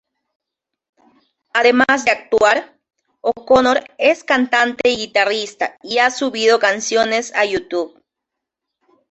Además de actuar, O'Connor es cantante y guitarrista y ha subido canciones a YouTube.